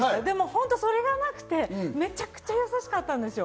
ホントにそれがなくて、めちゃくちゃ優しかったんですよ。